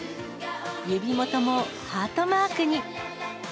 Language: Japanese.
指もともハートマークに。